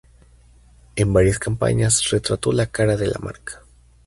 En varias campañas retrató la "cara de la marca".